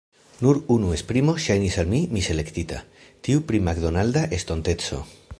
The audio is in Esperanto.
Nur unu esprimo ŝajnis al mi miselektita: tiu pri makdonalda estonteco.